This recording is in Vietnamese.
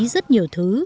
rất nhiều thứ